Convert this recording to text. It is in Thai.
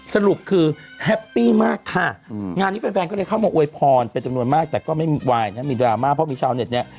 สรุปคือแฮปปี้มากค่ะงานนี้แฟนก็เลยเข้ามาอวยพรเป็นจำนวนมากแต่ก็ไม่วายนะมีดราม่าเพราะมีชาวเน็ตเนี่ย